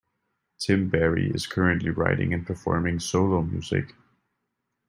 Tim Barry is currently writing and performing solo music.